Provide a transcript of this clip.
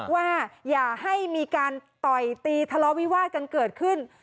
ว่าอย่าให้มีการต่อยตีทะเลาะวิวาดกันเกิดขึ้น